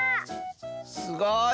すごい！